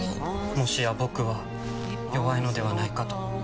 もしや僕は弱いのではないかと。